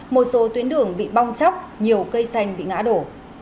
một số tuyến đường bị bong chóc nhiều cây xanh bị ngã đổ